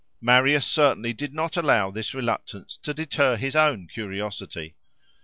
Marius certainly did not allow this reluctance to deter his own curiosity.